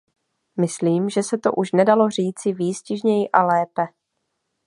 Myslím, že se to už nedalo říci výstižněji a lépe.